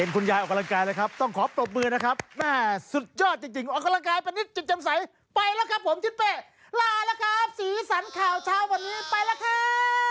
คุณยายออกกำลังกายเลยครับต้องขอปรบมือนะครับแม่สุดยอดจริงออกกำลังกายไปนิดจนจำใสไปแล้วครับผมทิศเป้ลาแล้วครับสีสันข่าวเช้าวันนี้ไปแล้วครับ